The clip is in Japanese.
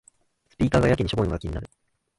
スピーカーがやけにしょぼいのが気になる